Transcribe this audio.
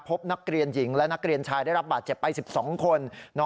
พบนักเรียนหญิงและนักเรียนชายได้รับบาดเจ็บไป๑๒คน